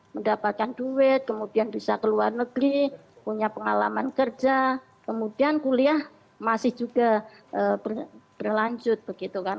mendapatkan duit kemudian bisa ke luar negeri punya pengalaman kerja kemudian kuliah masih juga berlanjut begitu kan